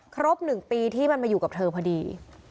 ครบ๑ปีที่มันมาอยู่กับเธอพอดี